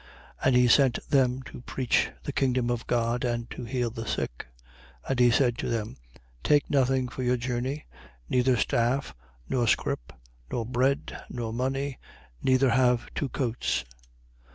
9:2. And he sent them to preach the kingdom of God and to heal the sick. 9:3. And he said to them: Take nothing for your journey, neither staff, nor scrip, nor bread, nor money; neither have two coats.